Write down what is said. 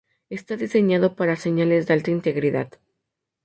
Está diseñado para señales de alta integridad.